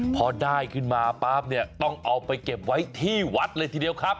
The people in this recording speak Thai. พอได้ขึ้นมาปั๊บเนี่ยต้องเอาไปเก็บไว้ที่วัดเลยทีเดียวครับ